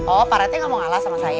oh pak rete gak mau ngalah sama saya